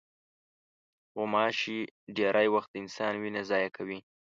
غوماشې ډېری وخت د انسان وینه ضایع کوي.